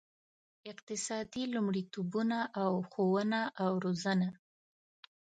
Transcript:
اقتصادي لومړیتوبونه او ښوونه او روزنه.